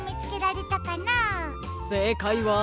せいかいは。